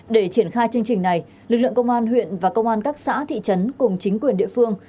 để triển khai chương trình này lực lượng công an huyện và công an các xã thị trấn cùng chính quyền địa phương